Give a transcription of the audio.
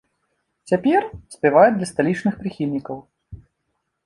Цяпер спявае для сталічных прыхільнікаў.